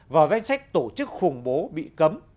vào danh sách tổ chức khủng bố bị cấm